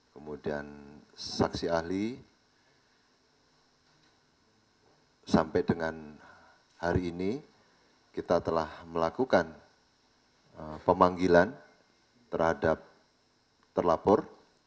kemudian saksi ahli sampai dengan hari ini kita telah melakukan pemanggilan terhadap terlapor